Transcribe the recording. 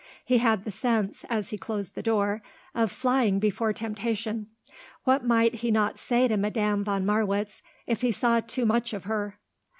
He had the sense, as he closed the door, of flying before temptation. What might he not say to Madame von Marwitz if he saw too much of her?